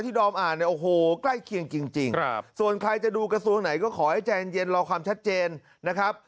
แต่ว่าขายจะดูกระทรวงไหนก็ขอให้ใจเย็นรอความชัดเจนนะครับ